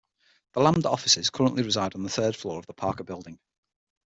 The "Lambda" offices currently reside on the third floor of the Parker building.